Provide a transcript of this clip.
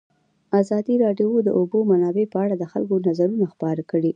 ازادي راډیو د د اوبو منابع په اړه د خلکو نظرونه خپاره کړي.